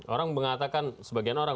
orang mengatakan sebagian orang